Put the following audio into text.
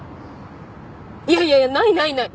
いやいやないないない！